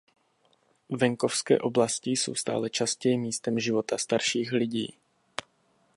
Venkovské oblasti jsou stále častěji místem života starších lidí.